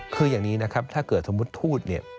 คืออย่างนี้นะครับถ้าเกิดสมมุติพูดเนี่ย